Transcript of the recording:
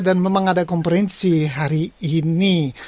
dan memang ada kompetensi hari ini